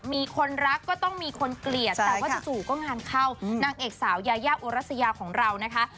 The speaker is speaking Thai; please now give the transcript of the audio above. มีคนรักก็ต้องมีคนเกลียดแต่ว่าจู่ก็งานเข้านางเอกสาวยายาอุรัสยาของเรานะคะ